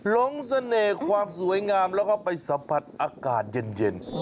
ลงเสน่ห์ความสวยงามแล้วก็ไปสัมผัสอากาศเย็น